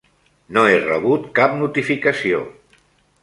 No he rebut cap notificació.